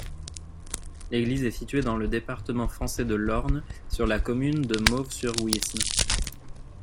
L'église est située dans le département français de l'Orne, sur la commune de Mauves-sur-Huisne.